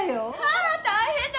あ大変だ！